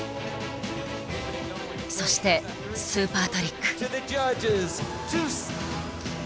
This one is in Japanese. そしてスーパートリック。